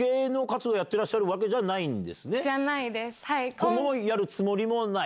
今後やるつもりもない？